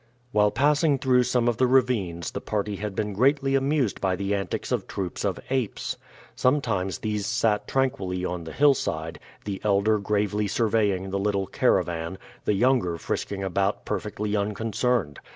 While passing through some of the ravines the party had been greatly amused by the antics of troops of apes. Sometimes these sat tranquilly on the hillside, the elder gravely surveying the little caravan, the younger frisking about perfectly unconcerned.